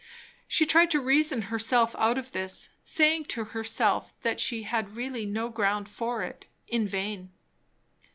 She tried to reason herself out of this, saying to herself that she had really no ground for it; in vain.